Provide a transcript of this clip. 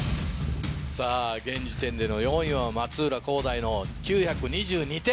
現時点での４位は松浦航大の９２２点。